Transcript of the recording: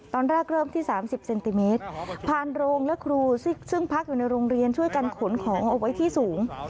ตอนแรกเริ่มที่๓๐เซนติเมตรผ่านโรงและครูซึ่งพักอยู่ในโรงเรียนช่วยกันขนของเอาไว้ที่สูง